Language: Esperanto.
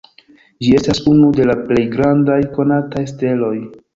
Ĝi estas unu de la plej grandaj konataj steloj.